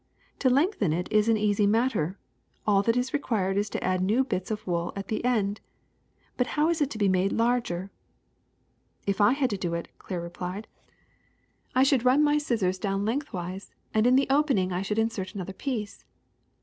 To lengthen it is an easy matter: all that is required is to add new bits of wool at the end. But how is it to be made larger?" ^'If I had to do it," Claire replied, ^'I should run MOTHS 51 my scissors down lengthwise, and in the opening I should insert another piece.